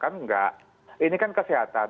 kan enggak ini kan kesehatan